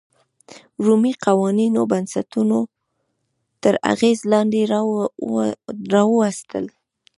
رومي قوانینو بنسټونه تر اغېز لاندې راوستل.